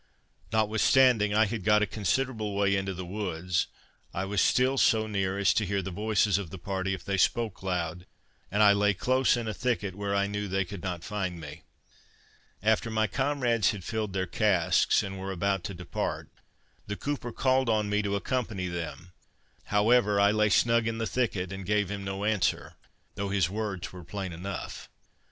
Notwithstanding I had got a considerable way into the woods, I was still so near as to hear the voices of the party if they spoke loud, and I lay close in a thicket where I knew they could not find me. After my comrades had filled their casks, and were about to depart, the cooper called on me to accompany them; however, I lay snug in the thicket, and gave him no answer, though his words were plain enough.